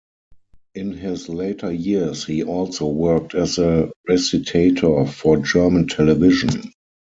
In his later years he also worked as a recitator for German television.